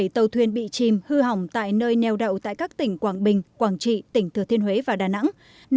bảy tàu thuyền bị chìm hư hỏng tại nơi neo đậu tại các tỉnh quảng bình quảng trị tỉnh thừa thiên huế và đà nẵng